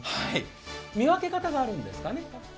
見分け方があるんですかね。